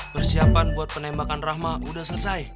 persiapkan buat penembakan rahma udah selesai